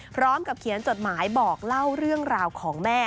พร้อมกับเขียนจดหมายบอกเล่าเรื่องราวของแม่